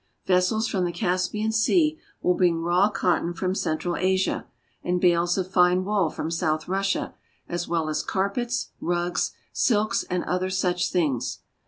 Vessels from the Caspian Sea will bring raw cotton from Central Asia, and bales of fine wool from South Russia, as well as carpets, rugs, silks, and other such things.